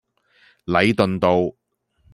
禮頓道